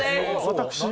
私？